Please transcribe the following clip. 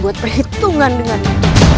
raden itu dari mana